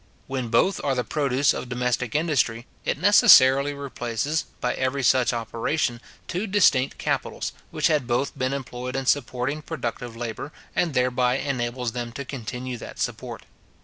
When both are the produce of domestic industry, it necessarily replaces, by every such operation, two distinct capitals, which had both been employed in supporting productive labour, and thereby enables them to continue that support.